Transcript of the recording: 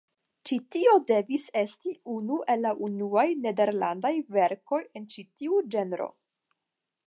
Ĉi tio devis esti unu el la unuaj nederlandaj verkoj en ĉi tiu ĝenro.